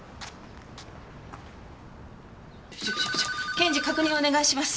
検事確認お願いします。